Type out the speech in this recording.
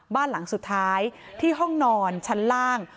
บ้านหลังสุดท้ายที่ห้องนอนชั้นล่าง